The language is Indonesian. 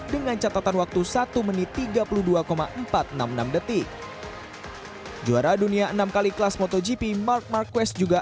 dengan catatan waktu satu menit tiga puluh dua empat ratus enam puluh enam detik juara dunia enam kali kelas motogp mark marquez juga